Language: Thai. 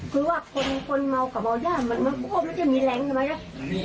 คือว่าคนเหมากับเบาหญ้ามันกลวงไม่ได้มีแหลงฉะนั้นไหมนะ